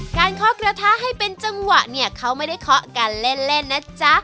เคาะกระทะให้เป็นจังหวะเนี่ยเขาไม่ได้เคาะกันเล่นนะจ๊ะ